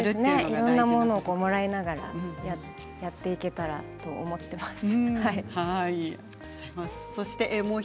いろんなものをもらいながらやっていけたらと思っています。